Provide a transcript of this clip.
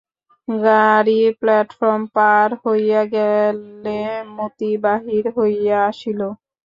গাড়ি প্লাটফর্ম পার হইয়া গেলে মতি বাহির হইয়া আসিল।